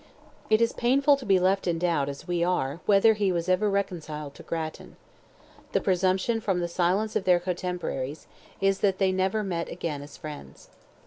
It is painful to be left in doubt, as we are, whether he was ever reconciled to Grattan. The presumption, from the silence of their cotemporaries, is, that they never met again as friends.